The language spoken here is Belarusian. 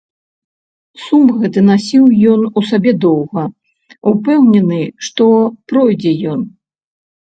Сум гэты насіў ён у сабе доўга, упэўнены, што пройдзе ён.